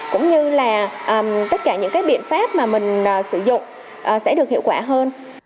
cũng như là tất cả những cái biện pháp mà mình sử dụng sẽ được hiệu quả hơn